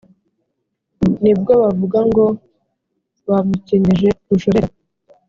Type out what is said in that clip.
ni bwo bavuga ngo: «bamukenyeje rushorera!»